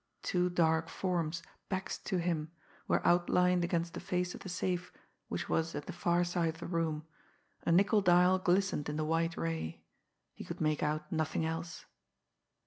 Two dark forms, backs to him, were outlined against the face of the safe which was at the far side of the room, a nickel dial glistened in the white ray he could make out nothing else.